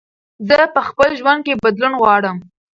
زه په خپل ژوند کې بدلون غواړم.